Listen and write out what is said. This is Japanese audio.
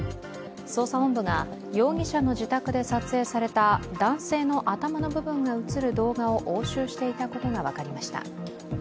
捜査本部が容疑者の自宅で撮影された男性の頭の部分が映る動画を押収していたことが分かりました。